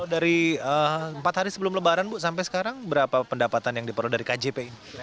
dari empat hari sebelum lebaran bu sampai sekarang berapa pendapatan yang diperoleh dari kjp